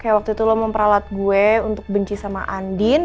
kayak waktu itu lo memperalat gue untuk benci sama andin